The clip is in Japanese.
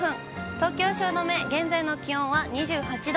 東京・汐留、現在の気温は２８度。